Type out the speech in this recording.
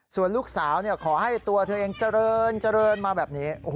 ส่วนลูกสาวขอให้ตัวเธอเองเจริญเจริญมาแบบนี้